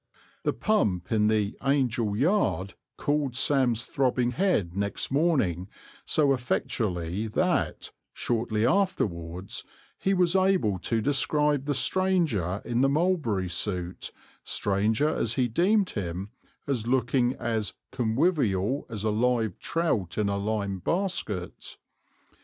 The pump in the "Angel" yard cooled Sam's throbbing head next morning so effectually that, shortly afterwards, he was able to describe the stranger in the mulberry suit, stranger as he deemed him, as looking "as conwivial as a live trout in a lime basket."